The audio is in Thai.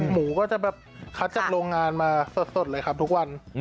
หมูก็จะแบบคัดจากโรงงานมาสดเลยครับทุกวัน